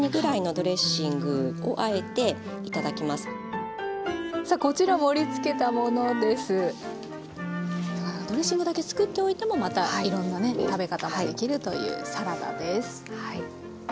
ドレッシングだけ作っておいてもまたいろんなね食べ方もできるというサラダです。